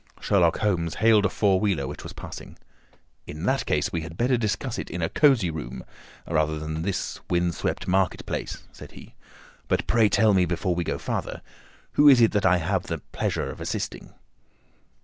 Sherlock Holmes hailed a four wheeler which was passing. "In that case we had better discuss it in a cosy room rather than in this wind swept market place," said he. "But pray tell me, before we go farther, who it is that I have the pleasure of assisting."